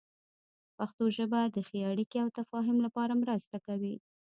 پښتو ژبه د ښې اړیکې او تفاهم لپاره مرسته کوي.